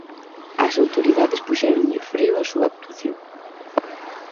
As autoridades puxéronlle freo á súa actuación.